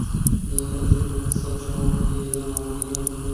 খেলায় champion, runners আপসহ প্রতিযোগিতায় অংশ নেওয়া বলীদের পুরস্কার দেওয়া হয়েছে।